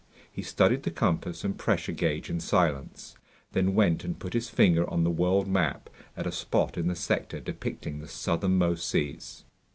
He studied the compass and pressure gauge in silence, then went and put his finger on the world map at a spot in the sector depicting the southernmost seas.